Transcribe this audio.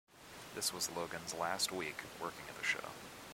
This was Logan's last week working at the show.